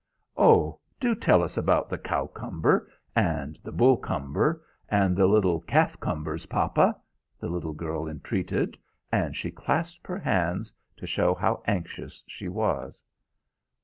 "Oh, do tell us about the Cowcumber, and the Bullcumber, and the little Calfcumbers, papa!" the little girl entreated, and she clasped her hands, to show how anxious she was.